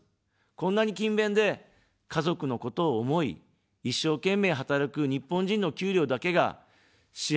こんなに勤勉で、家族のことを思い、一生懸命働く日本人の給料だけが四半世紀も下がり続ける。